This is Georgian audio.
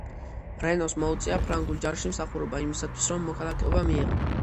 რენოს მოუწია ფრანგულ ჯარში მსახურობა, იმისათვის რომ მოქალაქეობა მიეღო.